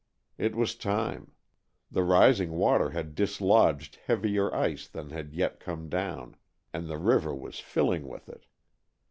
It was time. The rising water had dislodged heavier ice than had yet come down, and the river was filling with it.